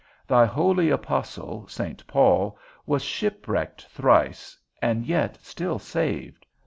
Thy holy apostle, St. Paul, was shipwrecked thrice, and yet still saved.